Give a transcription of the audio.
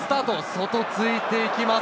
外、ついてきます。